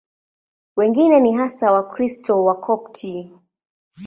Wengine ni hasa Wakristo Wakopti.